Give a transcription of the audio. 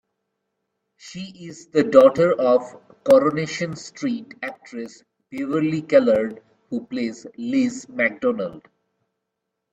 She is the daughter of "Coronation Street" actress, Beverley Callard, who plays Liz McDonald.